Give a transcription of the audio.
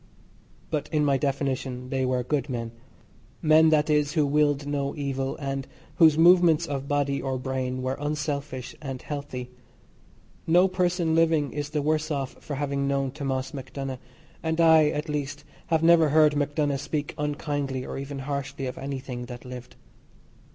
But in my definition they were good men men, that is, who willed no evil, and whose movements of body or brain were unselfish and healthy. No person living is the worse off for having known Thomas MacDonagh, and I, at least, have never heard MacDonagh speak unkindly or even harshly of anything that lived.